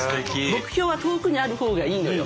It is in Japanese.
目標は遠くにある方がいいのよ。